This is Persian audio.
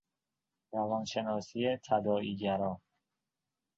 روانشناسی تداعی گرا